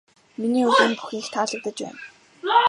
Миний хувьд энэ бүхэн их таалагдаж байна.